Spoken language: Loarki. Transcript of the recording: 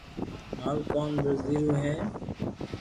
مارو ڪوم درزي رو ھي